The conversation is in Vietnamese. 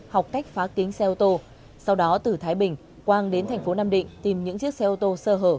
học cách phá kính xe ô tô sau đó từ thái bình quang đến thành phố nam định tìm những chiếc xe ô tô sơ hở